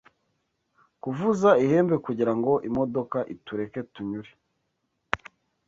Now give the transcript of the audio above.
Kuvuza ihembe kugirango imodoka itureke tunyure.